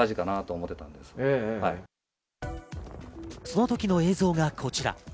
その時の映像がこちら。